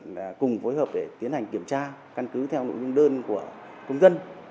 là cùng phối hợp để tiến hành kiểm tra căn cứ theo nội dung đơn của công dân